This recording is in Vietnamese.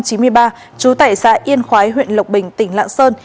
trú tại xã yên khói huyện lộc bình tỉnh lạng sơn